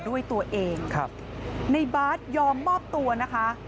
ด้วยตัวเองครับในบาร์ดยอมมอบตัวนะคะ